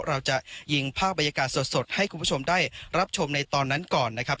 เราจะยิงภาพบรรยากาศสดให้คุณผู้ชมได้รับชมในตอนนั้นก่อนนะครับ